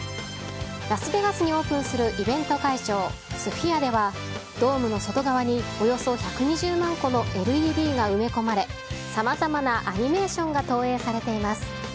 ラスベガスにオープンするイベント会場、スフィアでは、ドームの外側におよそ１２０万個のＬＥＤが埋め込まれ、さまざまなアニメーションが投影されています。